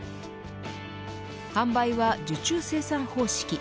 販売は受注生産方式。